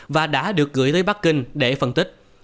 và đã được gửi tới bắc kinh để phân tích